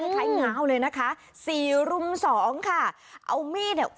คล้ายง้าวเลยนะคะสี่รุมสองค่ะเอามีดเนี่ย